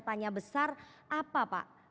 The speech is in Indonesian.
tanya besar apa pak